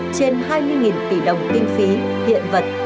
trên hai mươi tỷ đồng tiền phí hiện vật